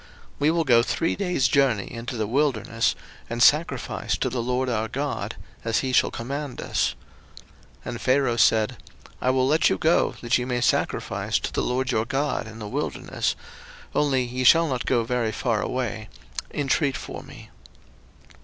02:008:027 We will go three days' journey into the wilderness, and sacrifice to the LORD our God, as he shall command us. 02:008:028 And Pharaoh said, I will let you go, that ye may sacrifice to the LORD your God in the wilderness; only ye shall not go very far away: intreat for me.